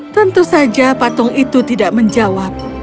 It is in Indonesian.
tentu saja patung itu tidak menjawab